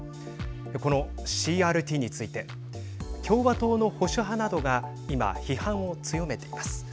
このＣＲＴについて共和党の保守派などが今、批判を強めています。